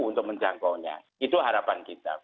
untuk menjangkau nya itu harapan kita